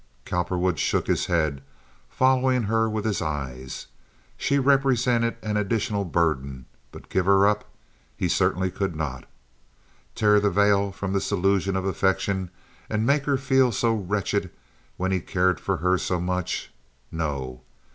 Cowperwood shook his head, following her with his eyes. She represented an additional burden, but give her up, he certainly could not. Tear the veil from this illusion of affection and make her feel so wretched when he cared for her so much? No.